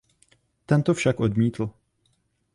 Ten to však odmítl.